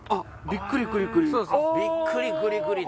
「びっくりくりくり」？